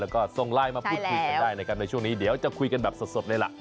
แล้วก็ส่งไลน์มาพูดคุยกันได้นะครับในช่วงนี้เดี๋ยวจะคุยกันแบบสดเลยล่ะ